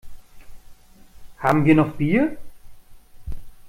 Haben wir noch Bier?